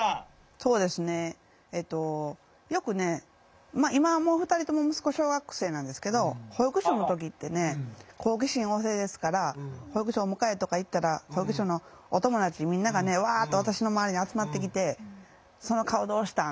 そうですねよくね今はもう２人とも息子小学生なんですけど保育所の時ってね好奇心旺盛ですから保育所お迎えとか行ったら保育所のお友達みんながねわあっと私の周りに集まってきて「その顔どうしたん？」